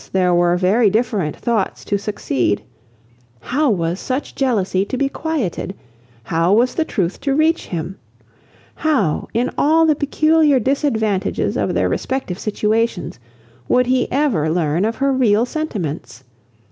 there were very different thoughts to succeed. How was such jealousy to be quieted? How was the truth to reach him? How, in all the peculiar disadvantages of their respective situations, would he ever learn of her real sentiments?